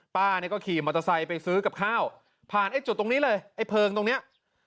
ป้าเนี่ยก็ขี่มอเตอร์ไซค์ไปซื้อกับข้าวผ่านไอ้จุดตรงนี้เลยไอ้เพลิงตรงเนี้ย